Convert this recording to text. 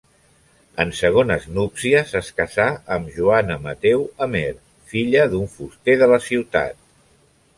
En segones núpcies es casà amb Joana Mateu Amer, filla d'un fuster de la ciutat.